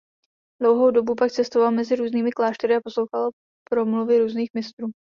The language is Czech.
Dlouhou dobu pak cestoval mezi různými kláštery a poslouchal promluvy různých mistrů.